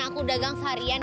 kamu yang kecil